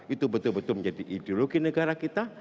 itu betul betul menjadi ideologi negara kita